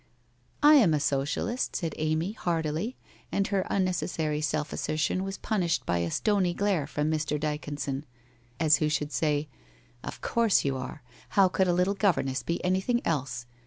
'I am a Socialist,' said Amy hardily, and her un necessary self assertion was punished by a stony glare from Mr. Dyconson, as who should say, ' Of course you are, how could a little governess be anything else?